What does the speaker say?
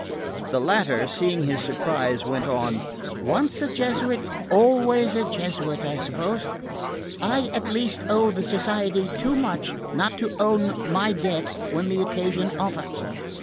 The latter, seeing his surprise, went on: "Once a Jesuit, always a Jesuit, I suppose. I at least owe the Society too much not to own my debt when the occasion offers.